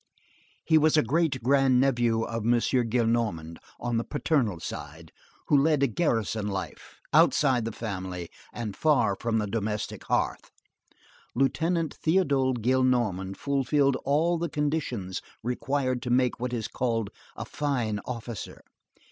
He was a great grand nephew of M. Gillenormand, on the paternal side, who led a garrison life, outside the family and far from the domestic hearth. Lieutenant Théodule Gillenormand fulfilled all the conditions required to make what is called a fine officer.